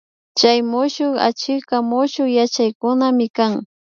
Chay mushuk achikka mushuk yachaykunami kan